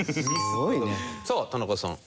さあ田中さん。